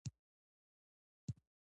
بزګان د افغانستان یو ډېر لوی طبعي ثروت دی.